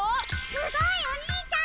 すごいお兄ちゃん！